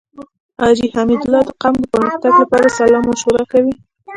حاجی حميدالله د قوم د پرمختګ لپاره صلاح مشوره کوي.